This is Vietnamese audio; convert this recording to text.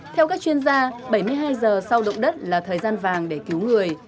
theo các chuyên gia bảy mươi hai giờ sau động đất là thời gian vàng để cứu người